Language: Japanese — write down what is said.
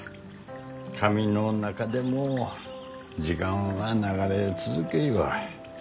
紙の中でも時間は流れ続けゆう。